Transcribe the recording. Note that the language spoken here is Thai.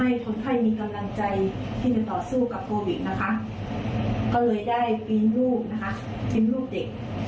ออกไปให้คนไข้ดูเพื่อเป็นกำลังใจ